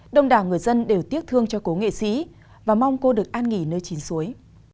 đông đảo người dân đều tiếc thương cho cố nghệ sĩ và mong cô được an nghỉ nơi chín suối